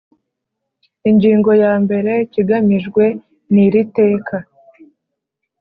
Ingingo ya mbere Ikigamijwe n iri Teka